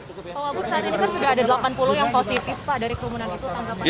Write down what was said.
kan sudah ada delapan puluh yang positif dari kerumunan itu tanggapan yang positif